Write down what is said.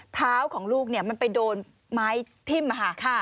เท้าของลูกมันไปโดนไม้ทิ่มค่ะ